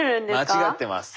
間違ってます。